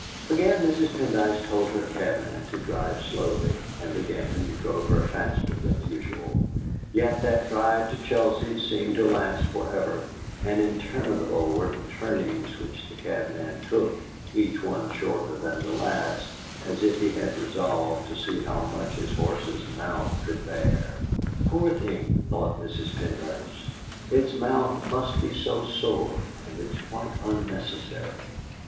Again Mrs. Pendyce told her cabman to drive slowly, and again he drove her faster than usual; yet that drive to Chelsea seemed to last for ever, and interminable were the turnings which the cabman took, each one shorter than the last, as if he had resolved to see how much his horse's mouth could bear. '.oor thing!' thought Mrs. Pendyce; 'its mouth must be so sore, and it's quite unnecessary.'